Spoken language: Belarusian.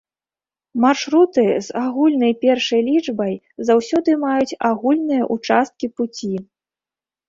Маршруты з агульнай першай лічбай заўсёды маюць агульныя ўчасткі пуці.